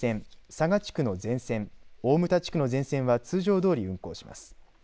佐賀地区の全線、大牟田地区の全線は通常どおり運行します。